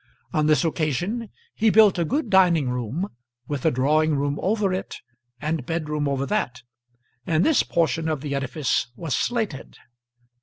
On this occasion he built a good dining room, with a drawing room over it, and bed room over that; and this portion of the edifice was slated.